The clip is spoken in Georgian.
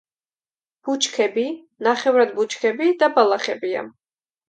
ბუჩქები, ნახევრად ბუჩქები და ბალახებია.